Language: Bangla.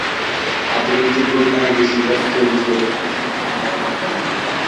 আধুনিক যুগেও ডাইনি শিকার চলছে বিশেষ করে আফ্রিকাতে।